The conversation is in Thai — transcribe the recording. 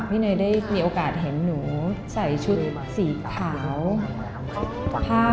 ขอฟังเหตุผลนะคะทำไมถึงเลือกชุดนั้นเข้ามา